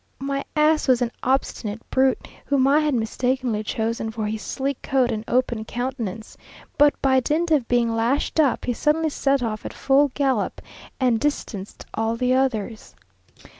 My ass was an obstinate brute, whom I had mistakenly chosen for his sleek coat and open countenance; but by dint of being lashed up, he suddenly set off at full gallop, and distanced all the others.